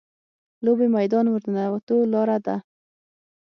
لوبې میدان ورننوتو لاره ده.